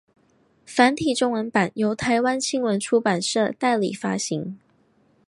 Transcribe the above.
繁体中文版本由台湾青文出版社代理发行。